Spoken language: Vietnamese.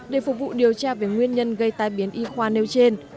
để phục vụ điều tra về nguyên nhân gây tai biến y khoa nêu trên